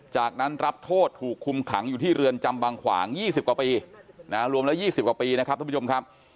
จากนั้นรับโทษถูกคุมขังอยู่ที่เรือนจำบางขวาง๒๐กว่าปีรวมแล้ว๒๐กว่าปีนะครับท่านผู้ชมครับ